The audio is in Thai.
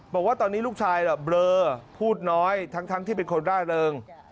บอกว่าตอนนี้ลูกชายเบลอพูดน้อยทั้งที่เป็นคนร่าเริง